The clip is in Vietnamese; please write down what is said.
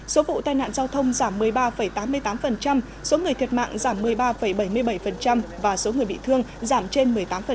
số vụ tai nạn giao thông giảm một mươi ba tám mươi tám số người thiệt mạng giảm một mươi ba bảy mươi bảy và số người bị thương giảm trên một mươi tám